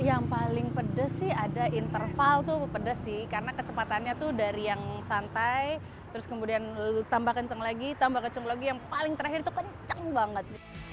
yang paling pedes sih ada interval tuh pedas sih karena kecepatannya tuh dari yang santai terus kemudian tambah kencang lagi tambah kacang lagi yang paling terakhir itu kencang banget